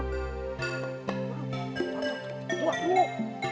enggak pada sampe rafya rose